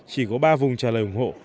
chỉ có ba vùng trả lời ủng hộ